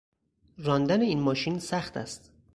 راندن این ماشین سخت است.